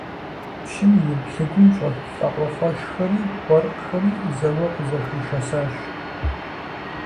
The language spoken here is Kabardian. Пщым и блыгум щӀэт лӀакъуэлӀэшхэри уэркъхэри зэуэ къызэхуишэсащ.